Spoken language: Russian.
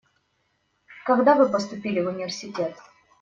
Когда вы поступили в университет?